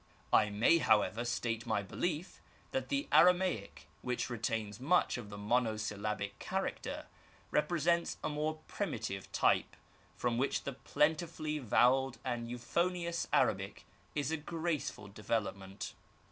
I may, however, state my belief that the Ara maic, which retains much of the monosyllabic character, repre sents a more primitive type, from which the plentifully vowelled and euphonious Arabic is a graceful development.